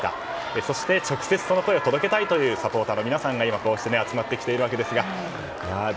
そして直接その声を届けたいというサポーターの皆さんが今、こうして集まっています。